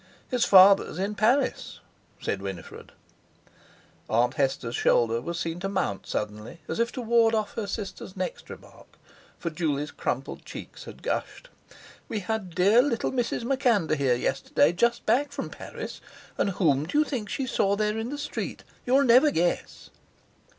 "His father's in Paris," said Winifred. Aunt Hester's shoulder was seen to mount suddenly, as if to ward off her sister's next remark, for Juley's crumpled cheeks had gushed. "We had dear little Mrs. MacAnder here yesterday, just back from Paris. And whom d'you think she saw there in the street? You'll never guess."